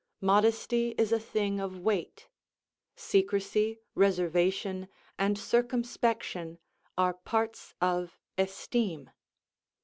Modesty is a thing of weight; secrecy, reservation, and circumspection, are parts of esteem.